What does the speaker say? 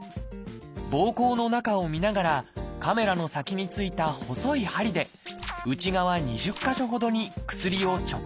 ぼうこうの中を見ながらカメラの先についた細い針で内側２０か所ほどに薬を直接注射します。